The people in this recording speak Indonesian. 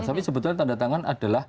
tapi sebetulnya tanda tangan adalah